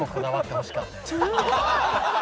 すごい！